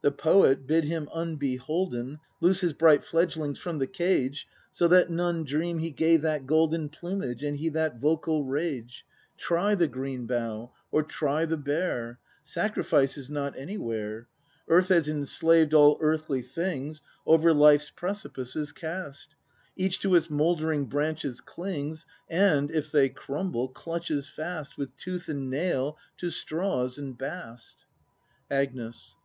The poet, bid him unbcholden ACT III] BRAND 121 Loose his bright fledglings from the cage, So that none dream h e gave that golden Plumage, and he that vocal rage; Try the green bough, or try the bare. Sacrifice is not anywhere. Earth has enslaved all earthly things; — Over Life's precipices cast. Each to its mouldering branches clings. And, if they crumble, clutches fast With tooth and nail to straws and bast. Agnes.